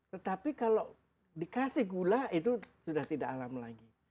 tetapi kalau dikasih gula itu sudah tidak alam lagi